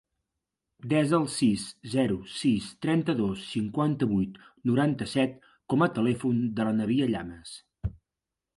Desa el sis, zero, sis, trenta-dos, cinquanta-vuit, noranta-set com a telèfon de l'Anabia Llamas.